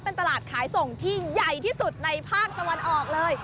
เป็นตลาดขายส่งที่ใหญ่ที่สุดในภาคตะวันออกเลย